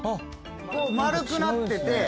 丸くなってて。